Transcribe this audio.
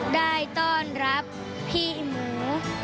ได้ต้อนรับพี่หมู